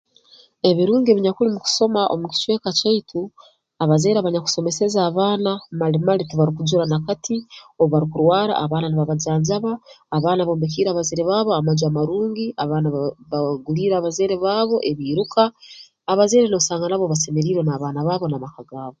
Ebirungi ebinyakuli mu kusoma omu kicweka kyaitu abazaire abanyakusomeseze abaana mali mali tibarukujura nakati obu barukurwara abaana nibabajanjaba abaana bombekiire abazaire baabo amaju amarungi abaana baba babaguliire abazaire baabo ebiiruka abazaire noosanga nabo basemeriirwe n'abaana baabo mu maka gaabo